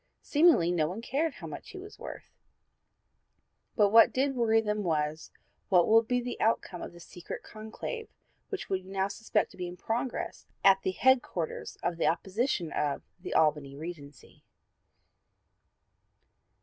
Seemingly no one cared how much he was worth; but what did worry them was, what will be the outcome of this secret conclave which we now suspect to be in progress at the headquarters of the opposition of the 'Albany Regency.'